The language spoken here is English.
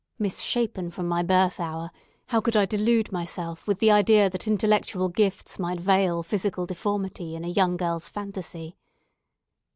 Misshapen from my birth hour, how could I delude myself with the idea that intellectual gifts might veil physical deformity in a young girl's fantasy?